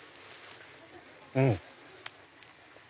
うん！